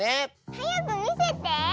はやくみせて！